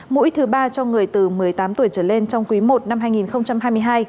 mũi thứ ba cho người từ một mươi tám tuổi trở lên trong quý i năm hai nghìn hai mươi hai